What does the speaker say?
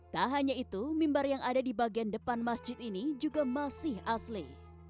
tak hanya itu mimbar yang ada di bagian depan masjid ini juga masih asli